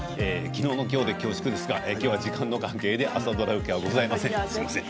きのうのきょうで恐縮ですがきょうは時間の関係で朝ドラ受けはございません。